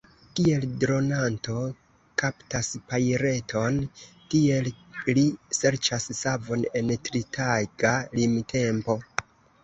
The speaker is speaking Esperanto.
Kiel dronanto kaptas pajleton, tiel li serĉas savon en tritaga limtempo.